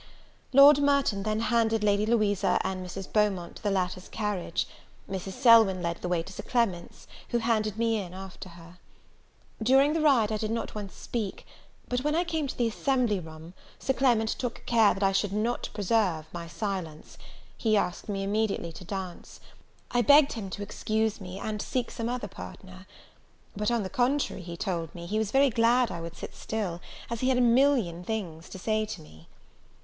Lord Merton then handed Lady Louisa and Mrs. Beaumont to the latter's carriage. Mrs. Selwyn led the way to Sir Clement's, who handed me in after her. During the ride I did not once speak; but when I came to the assembly room, Sir Clement took care that I should not preserve my silence. He asked me immediately to dance; I begged him to excuse me, and seek some other partner. But on the contrary, he told me, he was very glad I would sit still, as he had a million of things to say to me.